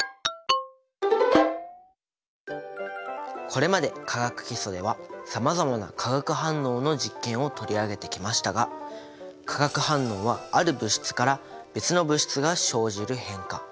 これまで化学基礎ではさまざまな化学反応の実験を取り上げてきましたが化学反応はある物質から別の物質が生じる変化